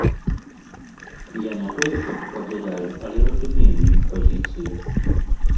Я не тое каб падзяляю, але разумею іх пазіцыю.